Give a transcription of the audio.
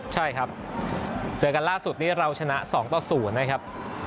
ใช่ครับเจอกันล่าสุดนี้เราชนะ๒ต่อ๐นะครับ